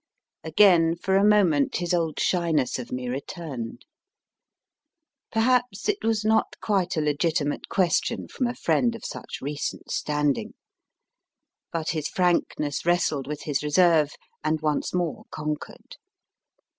Again for a moment his old shyness of me returned. Perhaps it was not quite a legitimate question from a friend of such recent standing. But his frankness wrestled with his reserve and once more conquered.